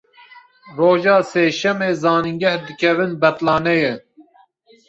Roja sêşemê zanîngeh dikevin betlaneyê.